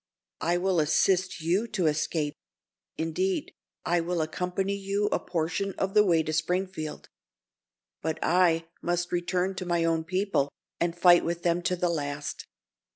"I will assist you to escape; indeed, I will accompany you a portion of the way to Springfield. But I must return to my own people and fight with them to the last.